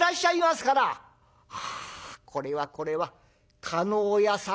「ああこれはこれは叶屋さん